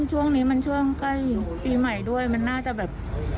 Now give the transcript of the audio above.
ช่วงนี้มันช่วงใกล้ปีใหม่ด้วยมันน่าจะแบบ